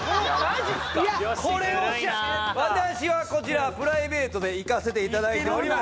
いや私はこちらプライベートで行かせていただいております